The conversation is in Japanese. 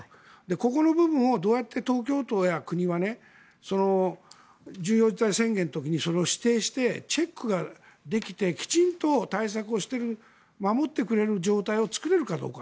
ここの部分をどうやって東京都や国は宣言の時に指定してチェックができてきちんと対策をしている守ってくれる状態を作るかどうか。